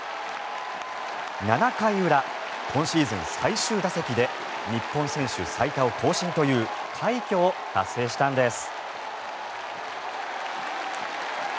７回裏、今シーズン最終打席で日本選手最多を更新という快挙を達成したんです。